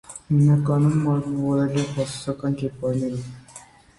Հիմնականում մարմնավորել է բացասական կերպարների։